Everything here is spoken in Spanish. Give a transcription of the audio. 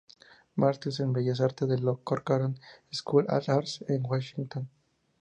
Máster en Bellas Artes de la Corcoran School of Arts en Washington.